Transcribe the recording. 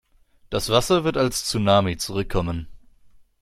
Das Wasser wird als Tsunami zurückkommen.